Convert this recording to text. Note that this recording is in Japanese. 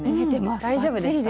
大丈夫でした？